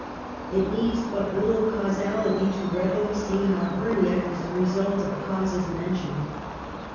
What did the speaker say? It needs but little causality to readily see how hernia is the result of causes mentioned.